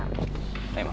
terima kasih pak